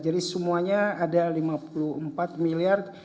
jadi semuanya ada lima puluh empat miliar